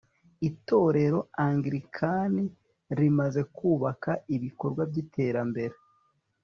itorero anglikani rimaze kubaka ibikorwa by'iterambere